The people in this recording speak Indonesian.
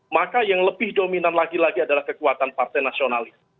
maka yang lebih dominan lagi lagi adalah kekuatan partai nasionalis